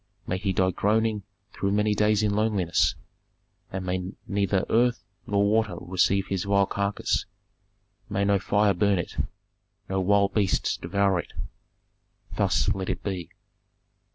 May he die groaning through many days in loneliness, and may neither earth nor water receive his vile carcass, may no fire burn it, no wild beasts devour it!" "Thus let it be!"